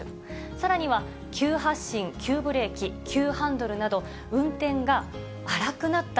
さらには、急発進、急ブレーキ、急ハンドルなど、運転が荒くなった。